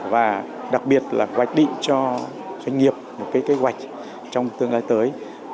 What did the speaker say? và đặc biệt là hoạch định cho doanh nghiệp một cái kế hoạch trong tương lai tới